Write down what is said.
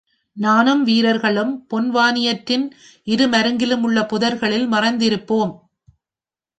நானும் வீரர்களும் பொன்வானியாற்றின் இரு மருங்கிலுமுள்ள புதர்களில், மறைந்திருப்போம்.